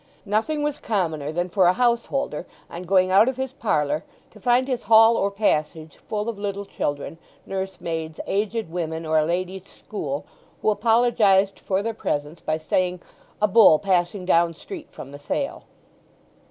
Nothing was commoner than for a house holder on going out of his parlour to find his hall or passage full of little children, nursemaids, aged women, or a ladies' school, who apologized for their presence by saying, "A bull passing down street from the sale."